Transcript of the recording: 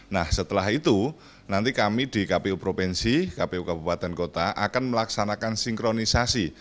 nah setelah itu nanti kami di kpu provinsi kpu kabupaten kota akan melaksanakan sinkronisasi